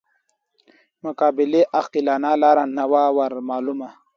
مقابلې عاقلانه لاره نه وه ورمعلومه.